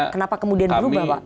kenapa kemudian berubah pak